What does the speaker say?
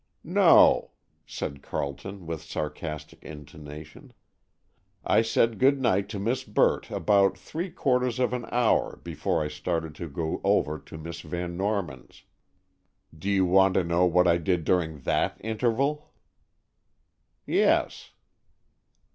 "No," said Carleton, with sarcastic intonation. "I said good night to Miss Burt about three quarters of an hour before I started to go over to Miss Van Norman's. Do you want to know what I did during that interval?" "Yes."